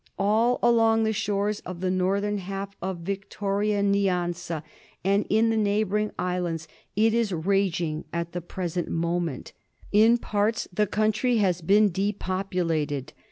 All along the shores of the northern half of Victoria Nyanza, and in the neighbouring islands, it is raging at the present moment. In parts the country has been depopulated.